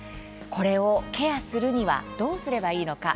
これを、ケアするにはどうすればいいのか。